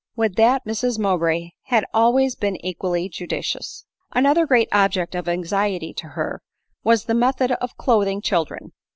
Would that Mrs Mowbray had always been equally judicious ! Another great object of anxiety to her, was the method 10 ADELINE MOWBRAY.